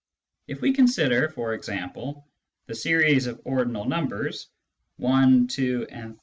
If we consider, for example, the series of ordinal numbers : 1, 2, 3